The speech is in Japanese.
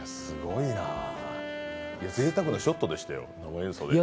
ぜいたくなショットでしたよ。